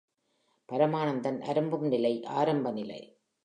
பரமானந்தம் அரும்பும் நிலை ஆரம்ப நிலை.